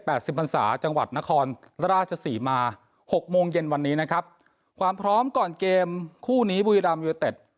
สิบพันศาจังหวัดนครราชศรีมาหกโมงเย็นวันนี้นะครับความพร้อมก่อนเกมคู่นี้บุรีรามยูเนเต็ด